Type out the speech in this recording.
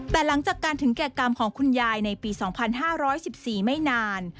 แต่หลังจากการถึงแก่กรรมของคุณยายในปี๒๕๑๔ไม่นาน